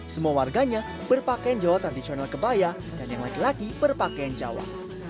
semua warganya berpakaian jawa tradisional kebaya dan yang laki laki berpakaian jawa